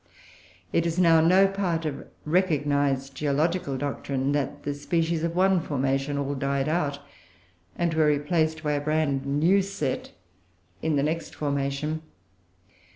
It is now no part of recognised geological doctrine that the species of one formation all died out and were replaced by a brand new set in the next formation.